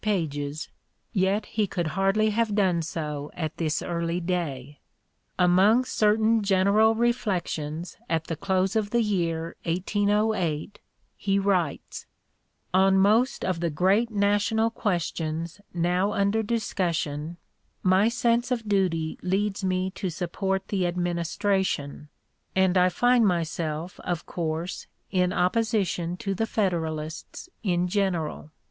066) pages, yet he could hardly have done so at this early day. Among certain general reflections at the close of the year 1808, he writes: "On most of the great national questions now under discussion, my sense of duty leads me to support the Administration, and I find myself, of course, in opposition to the Federalists in general.